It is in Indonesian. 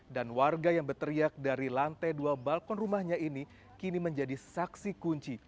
dan warga yang berteriak dari lantai dua balkon rumahnya ini kini menjadi saksi kunci